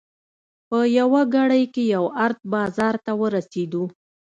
په یوه ګړۍ کې یو ارت بازار ته ورسېدو.